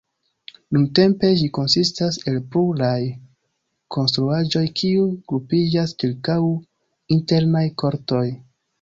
Nuntempe ĝi konsistas el pluraj konstruaĵoj kiuj grupiĝas ĉirkaŭ internaj kortoj.